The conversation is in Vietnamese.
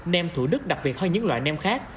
nem thủ đức đặc biệt hơn những loại nem khác